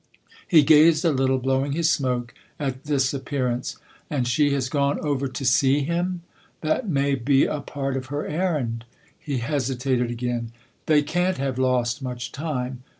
He gazed a little, blowing his smoke, at this appearance. " And she has gone over to see him ?" THE OTHER HOUSE 237 " That may be a part of her errand." He hesitated again. " They can't have lost much time